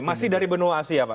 masih dari benua asia pak